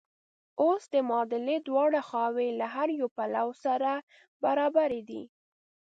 اوس د معادلې دواړه خواوې له هره پلوه سره برابرې دي.